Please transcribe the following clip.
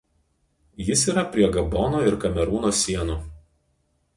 Jis yra prie Gabono ir Kamerūno sienų.